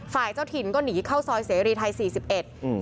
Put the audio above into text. ฝ่ายเจ้าถิ่นก็หนีเข้าซอยเสรีไทยสี่สิบเอ็ดอืม